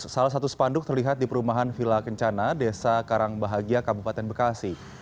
salah satu spanduk terlihat di perumahan villa kencana desa karangbahagia kabupaten bekasi